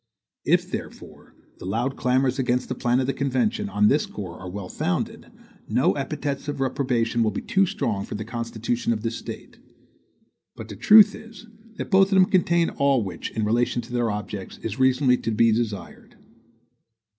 If, therefore, the loud clamors against the plan of the convention, on this score, are well founded, no epithets of reprobation will be too strong for the constitution of this State. But the truth is, that both of them contain all which, in relation to their objects, is reasonably to be desired.